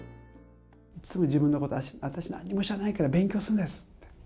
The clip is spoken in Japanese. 自分のことを私、なんにも知らないから勉強するんですって。